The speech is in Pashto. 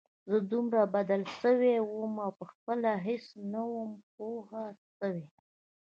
زه دومره بدل سوى وم او پخپله هېڅ نه وم پوه سوى.